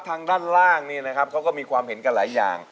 ทางด้านล่างนี่นะครับเขาก็มีความเห็นกันหลายอย่าง